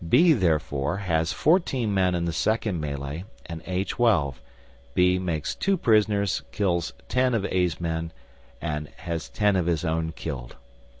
B, therefore, has fourteen men in the second melee and A twelve, B makes two prisoners, kills ten of A's men, and has ten of his own killed.